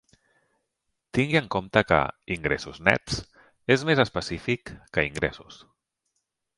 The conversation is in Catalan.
Tingui en compte que "ingressos nets" és més específic que "ingressos".